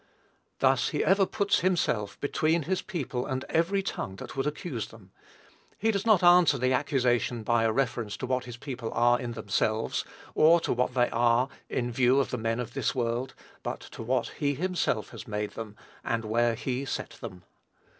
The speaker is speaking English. Thus he ever puts himself between his people and every tongue that would accuse them. He does not answer the accusation by a reference to what his people are in themselves, or to what they are in the view of the men of this world, but to what he himself has made them, and where he set them.